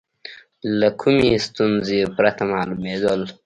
له کومې ستونزې پرته معلومېدل.